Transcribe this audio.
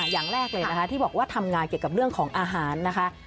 อย่างแรกเลยนะคะที่บอกว่าทำงานเกี่ยวกับเรื่องของอาหารนะคะ